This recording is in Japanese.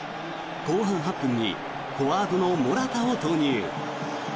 後半８分にフォワードのモラタを投入。